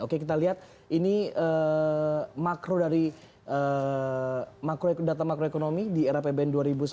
oke kita lihat ini makro dari data makroekonomi di era pbn dua ribu sembilan belas